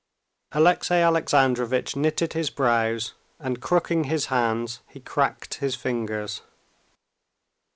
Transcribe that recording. Alexey Alexandrovitch knitted his brows, and crooking his hands, he cracked his fingers.